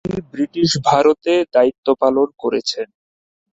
তিনি ব্রিটিশ ভারতে দায়িত্বপালন করেছেন।